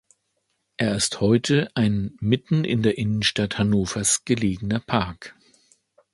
Er ist heute ein mitten in der Innenstadt Hannovers gelegener Park.